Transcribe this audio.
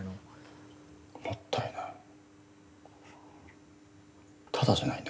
もったいない。